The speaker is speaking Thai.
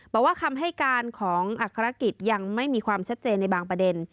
บอกว่าคำให้การของอัครกิจยังไม่มีความชัดเจนในบางประเด็น